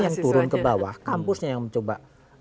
yang turun ke bawah kampusnya yang mencoba